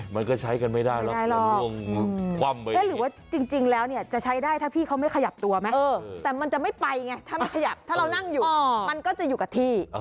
มันก็ใช้กันไม่ได้หรอกหรือว่าจริงแล้วเนี่ยจะใช้ได้ถ้าพี่เขาไม่ขยับตัวไหมแต่มันจะไม่ไปไงถ้าไม่ขยับถ้าเรานั่งอยู่มันก็จะอยู่กับที่